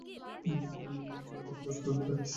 বদমাশ, মনে রাখিস।